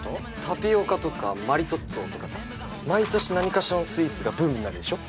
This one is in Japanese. タピオカとかマリトッツォとかさ毎年何かしらのスイーツがブームになるでしょ